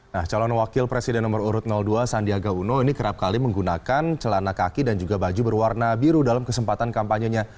nah calon wakil presiden nomor urut dua sandiaga uno ini kerap kali menggunakan celana kaki dan juga baju berwarna biru dalam kesempatan kampanyenya